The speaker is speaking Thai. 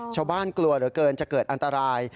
ชาวบ้านกลัวเกินจะเกิดอันตราย